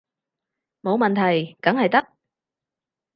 冇問題，梗係得